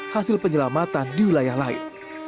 hasil penyelamatan di wilayah lain